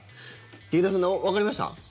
劇団さん、わかりました？